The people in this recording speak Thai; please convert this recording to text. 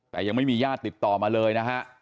แต่ยังไม่มีญาติติดต่อมาเลยนะฮะ